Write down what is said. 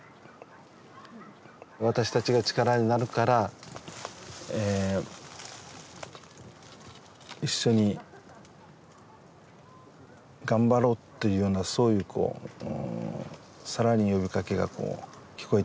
私たちが力になるから一緒に頑張ろうっていうようなそういうこう更に呼びかけが聞こえてくるような。